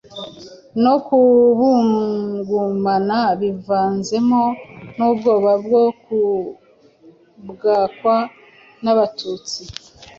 no kubugumana bivanzemo n'ubwoba bwo kubwakwa n'Abatutsi (inyenzi)..